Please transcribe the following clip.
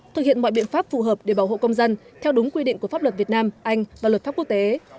thực hiện mọi biện pháp phù hợp để bảo hộ công dân theo đúng quy định của pháp luật việt nam anh và luật pháp quốc tế